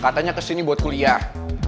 katanya kesini buat kuliah